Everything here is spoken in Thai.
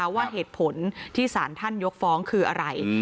ว่าเหตุผลที่สารท่านยกฟ้องคืออะไร